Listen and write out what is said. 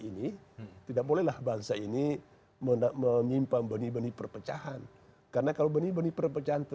ini tidak bolehlah bangsa ini menyimpan benih benih perpecahan karena kalau benih benih perpecahan